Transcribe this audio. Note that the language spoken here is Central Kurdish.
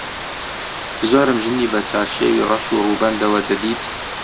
زۆرم ژنی بە چارشێوی ڕەش و ڕووبەندەوە دەدیت